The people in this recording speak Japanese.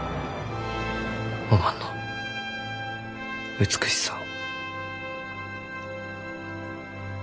おまんの美しさを。